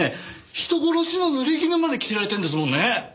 人殺しの濡れ衣まで着せられてるんですもんねえ？